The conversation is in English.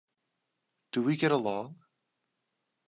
Do we get along?